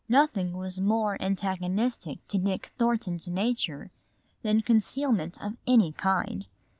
Nothing was more antagonistic to Dick Thornton's nature than concealment of any kind.